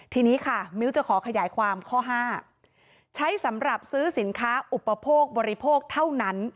ทีนี้ค่ะมิ้วจะขอขยายความข้อห้าใช้สำหรับซื้อสินค้าอุปโภคบริโภคเท่านั้น